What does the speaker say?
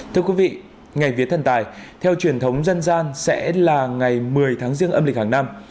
thưa quý vị ngày vía thần tài theo truyền thống dân gian sẽ là ngày một mươi tháng riêng âm lịch hàng năm